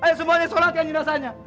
ayo semuanya solatkan jenazahnya